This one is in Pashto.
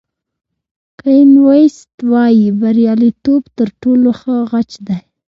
کین ویست وایي بریالیتوب تر ټولو ښه غچ دی.